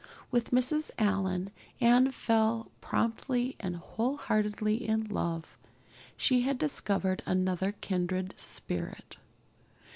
With Mrs. Allan Anne fell promptly and wholeheartedly in love. She had discovered another kindred spirit.